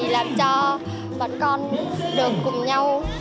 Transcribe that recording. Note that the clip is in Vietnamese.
làm cho bản con được cùng nhau